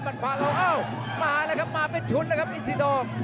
บันผน้องเอ้ามาแล้วครับมาเป็นชุดครับดินศิธอง